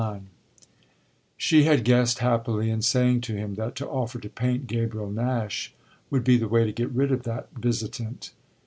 XLIX She had guessed happily in saying to him that to offer to paint Gabriel Nash would be the way to get rid of that visitant.